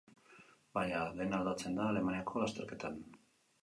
Baina dena aldatzen da Alemaniako lasterketan.